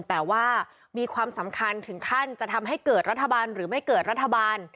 แต่ว่ามีความสำคัญถึงขั้นจะทำให้เกิดรัฐบาลหรือไม่เกิดรัฐบาล